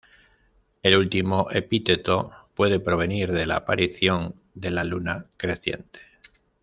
El último epíteto puede provenir de la aparición de la luna creciente.